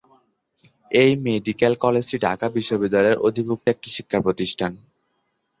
এই মেডিকেল কলেজটি ঢাকা বিশ্ববিদ্যালয়ের অধিভুক্ত একটি শিক্ষাপ্রতিষ্ঠান।